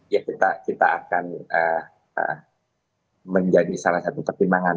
ya kita akan menjadi salah satu pertimbangan